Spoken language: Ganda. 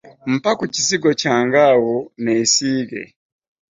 Mpa ku kizigo kyange awo nneesiige.